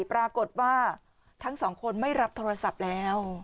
ปรากฏว่าทั้งสองคนไม่รับโทรศัพท์แล้ว